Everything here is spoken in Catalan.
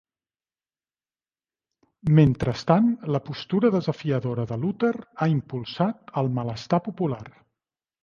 Mentrestant, la postura desafiadora de Luter ha impulsat el malestar popular.